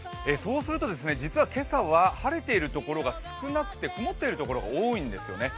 実は今朝は晴れているところが少なくて曇っているところが多いんですね。